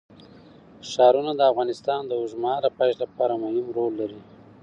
ښارونه د افغانستان د اوږدمهاله پایښت لپاره مهم رول لري.